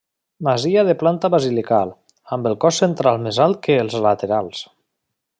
Masia de planta basilical, amb el cos central més alt que els laterals.